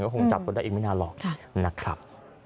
คงจับตัวได้อีกไม่นานหรอกนะครับ